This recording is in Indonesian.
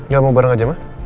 gak mau bareng aja mah